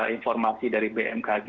informasi dari bmkg